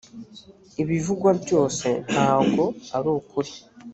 ibivugwa byose ntago arukuri.